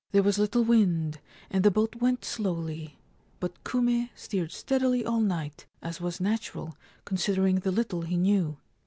There was little wind, and the boat went slowly ; but Kume steered steadily all night, as was natural, considering the little he knew.